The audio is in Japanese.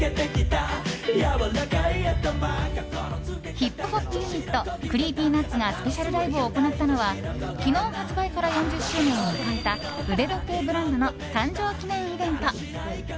ヒップホップユニットＣｒｅｅｐｙＮｕｔｓがスペシャルライブを行ったのは昨日、発売から４０周年を迎えた腕時計ブランドの誕生記念イベント。